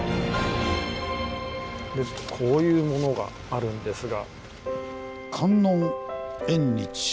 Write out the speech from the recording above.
こういうものがあるんですが。